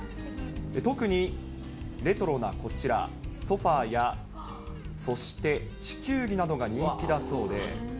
特にレトロなこちら、ソファや、そして、地球儀などが人気だそうで。